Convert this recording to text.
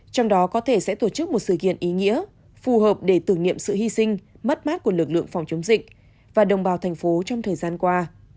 trong đó có thể sẽ tổ chức một sự kiện ý nghĩa phù hợp để tưởng niệm sự hy sinh mất mát của lực lượng phòng chống dịch và đồng bào thành phố trong thời gian qua